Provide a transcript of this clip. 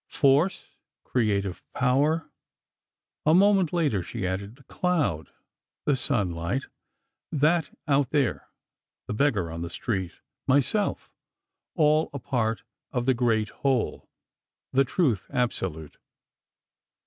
"Force, creative power." A moment later, she added: "The cloud, the sunlight, that out there, the beggar on the street, myself—all a part of the great Whole—the Truth Absolute."